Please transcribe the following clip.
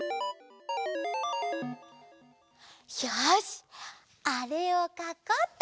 よしあれをかこうっと！